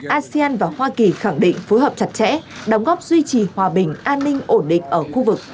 asean và hoa kỳ khẳng định phối hợp chặt chẽ đóng góp duy trì hòa bình an ninh ổn định ở khu vực